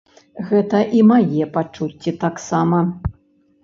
Гэта і мае пачуцці таксама.